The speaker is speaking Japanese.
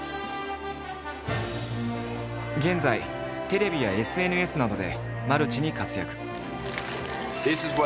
現在テレビやＳＮＳなどでマルチに活躍。